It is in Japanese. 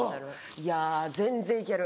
いや全然行ける。